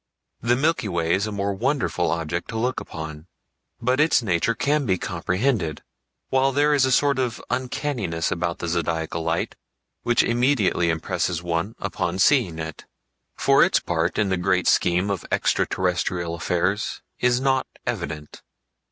The Milky Way is a more wonderful object to look upon, but its nature can be comprehended, while there is a sort of uncanniness about the Zodiacal Light which immediately impresses one upon seeing it, for its part in the great scheme of extra terrestrial affairs is not evident.